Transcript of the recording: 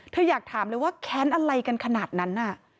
อยากถามเลยว่าแค้นอะไรกันขนาดนั้น